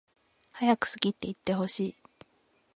はやく好きっていってほしい